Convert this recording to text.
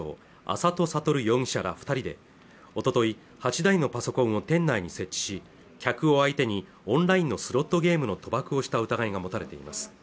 安里悟容疑者ら二人でおととい８台のパソコンを店内に設置し客を相手にオンラインのスロットゲームの賭博をした疑いが持たれています